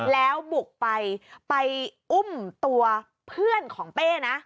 แล้วบุกไปไปอุ้มตัวเพื่อนของเป้นะ